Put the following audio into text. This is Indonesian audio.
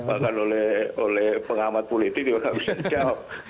bahkan oleh pengamat politik juga nggak bisa dijawab